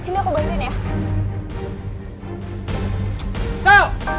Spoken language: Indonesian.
sini aku bandingin ya